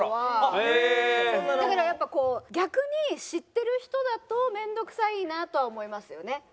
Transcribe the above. だからやっぱこう逆に知ってる人だと面倒くさいなとは思いますよね。